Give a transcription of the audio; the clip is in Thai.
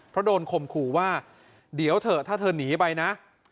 เพราะโดนข่มขู่ว่าเดี๋ยวเถอะถ้าเธอหนีไปนะ